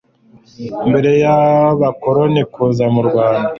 mbere y'abakoroni kuza m'urwanda